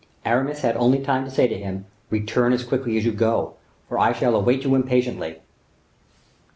Aramis had only time to say to him, "Return as quickly as you go; for I shall await you impatiently."